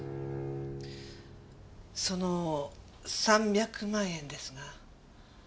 その３００万円ですが。